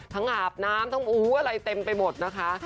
อาบน้ำทั้งอะไรเต็มไปหมดนะคะ